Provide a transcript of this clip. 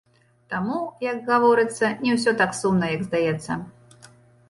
Таму, як гаворыцца, не ўсё так сумна, як здаецца.